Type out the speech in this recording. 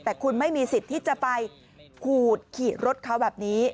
แต่คุณไม่มีสิทธิ์ที่จะไปขูดขีดรถเขาแบบนี้